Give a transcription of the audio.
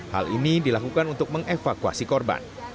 hal ini dilakukan untuk mengevakuasi korban